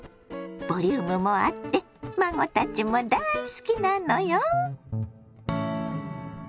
ボリュームもあって孫たちも大好きなのよ。